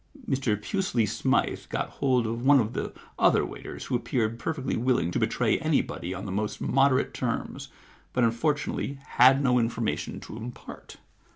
Mr Pusely Smythe got hold of one of the other waiters who appeared perfectly willing to betray anybody on the most moderate terms, but, unfortunately, had no information to impart.